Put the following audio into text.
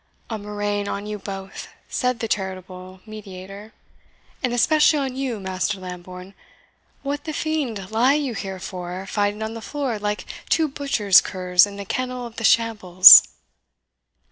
"A murrain on you both," said the charitable mediator, "and especially on you, Master Lambourne! What the fiend lie you here for, fighting on the floor like two butchers' curs in the kennel of the shambles?"